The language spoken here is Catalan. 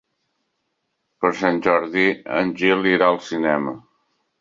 Per Sant Jordi en Gil irà al cinema.